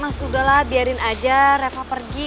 mas mas udahlah biarin aja reva pergi